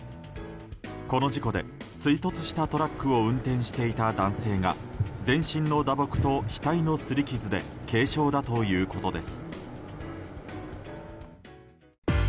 この事故で追突したトラックを運転していた男性が全身の打撲と額の擦り傷で軽傷だということです。